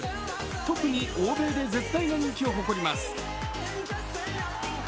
特に欧米で絶大な人気を誇ります。